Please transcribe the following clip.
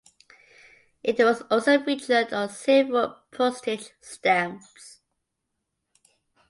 It was also featured on several postage stamps.